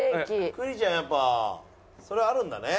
栗ちゃんやっぱそれあるんだね。